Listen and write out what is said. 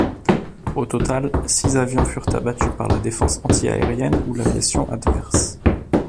Au total, six avions furent abattus par la défense anti-aérienne ou l'aviation adverse.